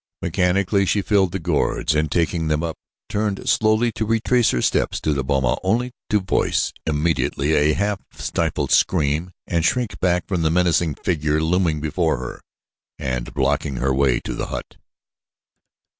Mechanically she filled the gourds and, taking them up, turned slowly to retrace her steps to the boma only to voice immediately a half stifled scream and shrink back from the menacing figure looming before her and blocking her way to the hut.